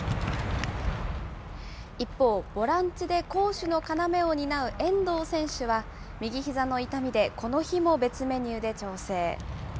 一方、ボランチで攻守の要を担う遠藤選手は、右ひざの痛みでこの日も別メニューで調整。